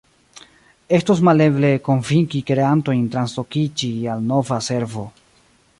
Estus maleble konvinki kreantojn translokiĝi al nova servo.